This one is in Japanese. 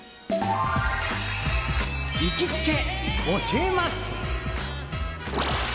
行きつけ教えます！